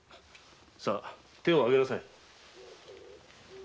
さ手をあげなさい。